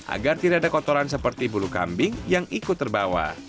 agar tidak ada kotoran seperti bulu kambing yang ikut terbawa